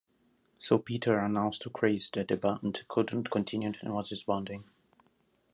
So Peter announced to Chris that the band couldn't continue and was disbanding.